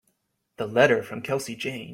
The letter from Kelsey Jane.